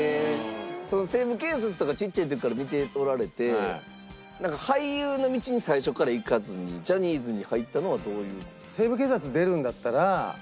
その『西部警察』とかちっちゃい時から見ておられて俳優の道に最初から行かずにジャニーズに入ったのはどういう？